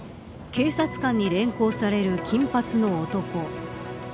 警察官に連行される金髪の男。